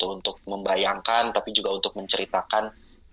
untuk membayangkan tapi juga untuk menceritakan